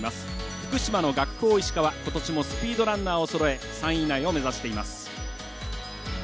福島の学法石川、ことしもスピードランナーをそろえ３位以内を目指しています。